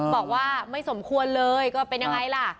บอกว่าไม่สมควรเลยก็เป็นยังไงล่ะ